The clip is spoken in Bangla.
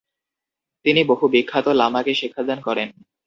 তিনি বহু বিখ্যাত লামাকে শিক্ষাদান করেন।